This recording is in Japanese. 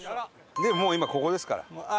もう今ここですから。